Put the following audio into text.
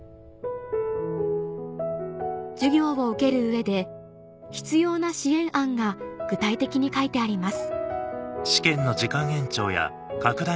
授業を受ける上で必要な支援案が具体的に書いてあります